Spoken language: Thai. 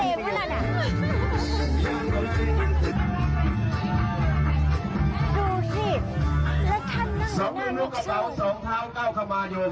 ดูสิแล้วท่านนั่งในน้ำหลบซึ้ง